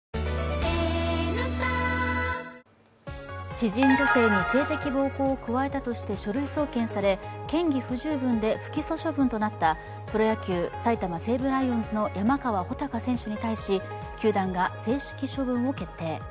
知人女性に性的暴行を加えたとして書類送検され、嫌疑不十分で不起訴処分となったプロ野球、埼玉西武ライオンズの山川穂高選手に対し、球団が正式処分を決定。